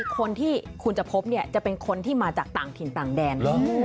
คนที่คุณจะพบเนี่ยจะเป็นคนที่มาจากต่างถิ่นต่างแดน